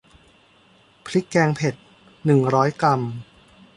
พริกแกงเผ็ด หนึ่งร้อยกรัม